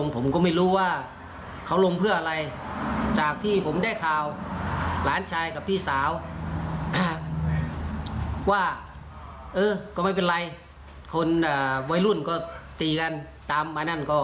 ซึ่งอาจมีอางกฤศนะครับ